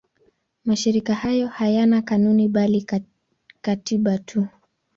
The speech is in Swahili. Mashirika hayo hayana kanuni bali katiba tu.